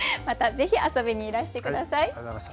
またぜひ遊びにいらして下さい。